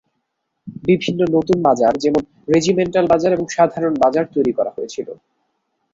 বিভিন্ন নতুন বাজার যেমন রেজিমেন্টাল বাজার এবং সাধারণ বাজার তৈরি করা হয়েছিল।